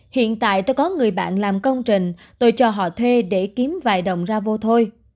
hiện tại tôi có người bạn làm công trình tôi cho họ thuê để kiếm vài đồng ra vô thôi